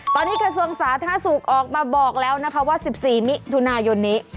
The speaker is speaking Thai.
ตอนนี้กระทรวงสาธารณสุขออกมาบอกแล้วนะคะว่า๑๔มิถุนายนนี้